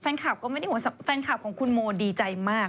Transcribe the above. แฟนคลับก็ไม่ได้ห่วงแฟนคลับของคุณโมดีใจมาก